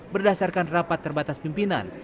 berdasarkan rapat terbatas pimpinan